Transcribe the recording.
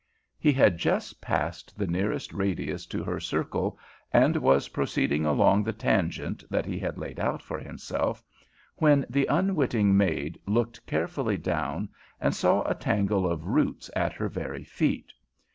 He had just passed the nearest radius to her circle and was proceeding along the tangent that he had laid out for himself, when the unwitting maid looked carefully down and saw a tangle of roots at her very feet.